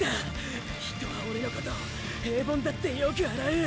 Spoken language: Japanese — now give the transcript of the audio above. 人はオレのことを平凡だってよく笑う！